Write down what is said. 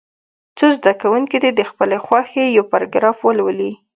څو زده کوونکي دې د خپلې خوښې یو پاراګراف ولولي.